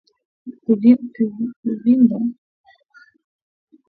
Kuvimba tezi za nje